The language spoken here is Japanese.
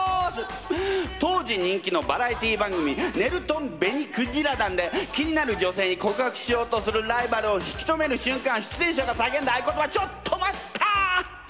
当時人気のバラエティー番組「ねるとん紅鯨団」で気になる女性に告白しようとするライバルを引きとめる瞬間出演者がさけんだ合いことば「ちょっと待った！」。